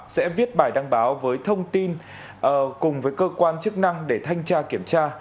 sẽ viết bài đăng báo với thông tin cùng với cơ quan chức năng để thanh tra kiểm tra